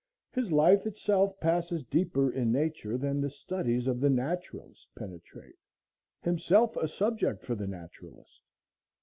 His life itself passes deeper in Nature than the studies of the naturalist penetrate; himself a subject for the naturalist.